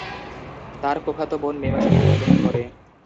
তার ফুফাতো বোন মে মাসে জন্মগ্রহণ করে।